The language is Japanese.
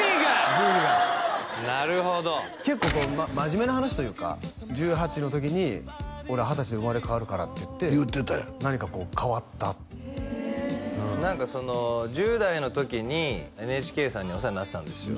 樹がなるほど結構こう真面目な話というか１８の時に「俺二十歳で生まれ変わるから」って言って何かこう変わった何か１０代の時にＮＨＫさんにお世話になってたんですよ